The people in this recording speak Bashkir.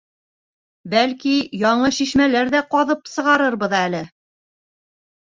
Бәлки, яңы шишмәләр ҙә ҡаҙып сығарырбыҙ әле...